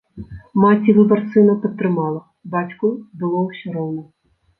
Маці выбар сына падтрымала, бацьку было ўсё роўна.